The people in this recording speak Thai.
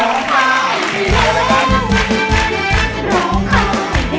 โรงหายได้แล้ว